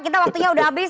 kita waktunya sudah habis